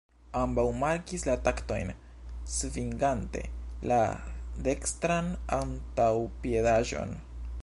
Ambaŭ markis la taktojn svingante la dekstran antaŭpiedaĵon.